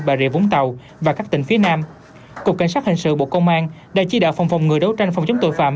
bà rịa vũng tàu và các tỉnh phía nam cục cảnh sát hình sự bộ công an đã chỉ đạo phòng phòng ngừa đấu tranh phòng chống tội phạm